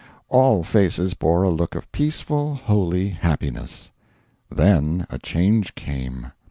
All faces bore a look of peaceful, holy happiness. Then a change came.